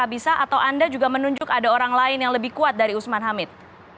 apakah anda menunjukkan ada orang lain yang lebih kuat dari usman hamid